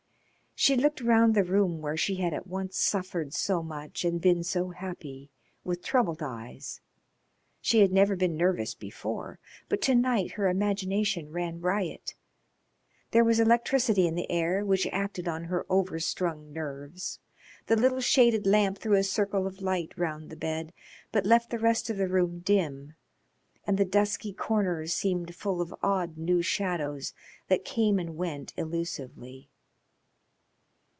She looked round the room where she had at once suffered so much and been so happy with troubled eyes. She had never been nervous before, but to night her imagination ran riot. There was electricity in the air which acted on her overstrung nerves. The little shaded lamp threw a circle of light round the bed, but left the rest of the room dim, and the dusky corners seemed full of odd new shadows that came and went illusively.